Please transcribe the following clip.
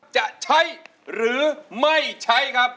จะใช้หรือไม่ใช้ครับ